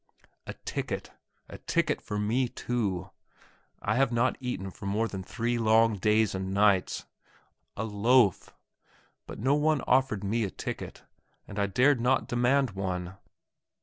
A ticket! a ticket for me too! I have not eaten for more than three long days and nights. A loaf! But no one offered me a ticket, and I dared not demand one.